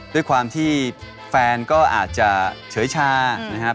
ด้วยความที่แฟนก็อาจจะเฉยชานะครับ